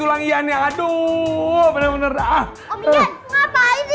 om ian ngapain tiduran di lantai gelinding dari atas